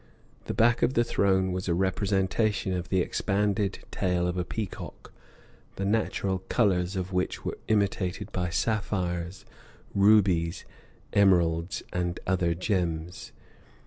The back of the throne was a representation of the expanded tail of a peacock, the natural colors of which were imitated by sapphires, rubies, emeralds, and other gems."